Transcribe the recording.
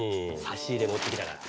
差し入れ持ってきたから。